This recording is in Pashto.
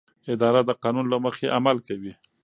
اداره د قانون له مخې عمل کوي.